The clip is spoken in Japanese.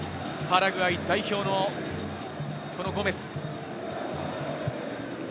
パラグアイ代表のゴメス。